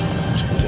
mas mas mas sebentar